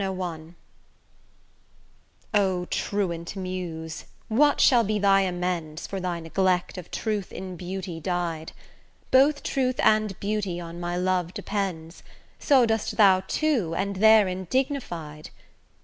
CI O truant Muse what shall be thy amends For thy neglect of truth in beauty dy'd? Both truth and beauty on my love depends; So dost thou too, and therein dignified.